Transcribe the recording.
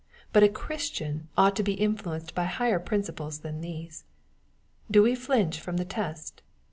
But a Christian ought to be influenced by higher principles than these. — Do we flinch from the test